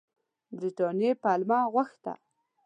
برټانیې پلمه غوښته.